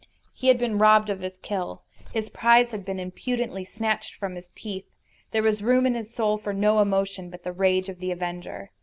He had been robbed of his kill. His prize had been impudently snatched from his teeth. There was room in his soul for no emotion but the rage of the avenger.